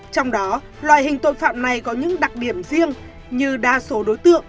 trong đó loại hình tội phạm này có những đặc điểm riêng như đa số đối tượng